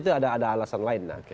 itu ada alasan lain